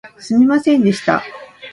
すみませんでした